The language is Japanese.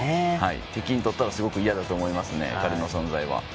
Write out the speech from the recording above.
敵にとったら、すごく嫌だと思いますね、彼の存在は。